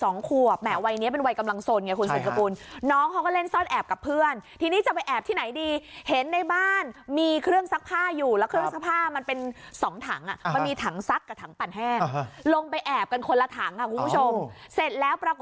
เนี้ยค่ะเดือดร้อนเช่นนาทีต้องมาช่วยแล้วหู